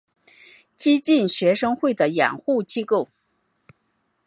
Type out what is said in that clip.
激进学生会的掩护机构。